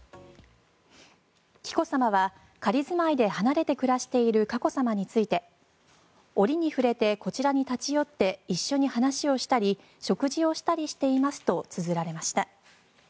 紀子さまは仮住まいで離れて暮らしている佳子さまについて折に触れて、こちらに立ち寄って一緒に話をしたり食事をしたりしていますとつづられました。